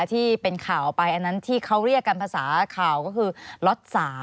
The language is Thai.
ที่เป็นข่าวไปอันนั้นที่เขาเรียกกันภาษาข่าวก็คือล็อต๓